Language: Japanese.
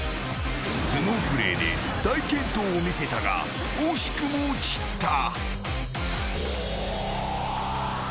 ［頭脳プレーで大健闘を見せたが惜しくも散った］